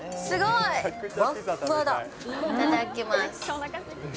いただきます。